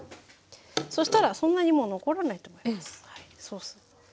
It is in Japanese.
そしたらそんなにもう残らないと思います。